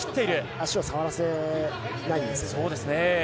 足を触らせないですね。